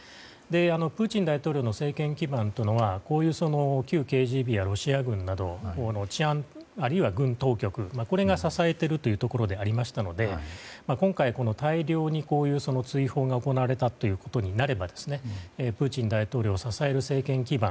プーチン大統領の政権基盤というのはこういう旧ＫＧＢやロシア軍などの治安、あるいは軍当局が支えているというところでありましたので今回、大量に追放が行われたということになればプーチン大統領を支える政権基盤